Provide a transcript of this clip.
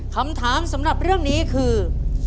คำถามสำหรับเรื่องนี้คือ